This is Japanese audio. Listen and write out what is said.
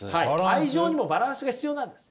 愛情にもバランスが必要なんです。